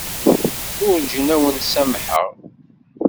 Werǧin ad wen-samḥeɣ.